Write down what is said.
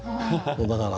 だからね